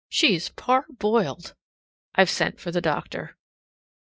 She's parboiled. I've sent for the doctor.